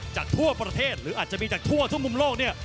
ทั่วประเทศหรืออาจจะมีจากทั่วทุกมุมโลกเนี่ย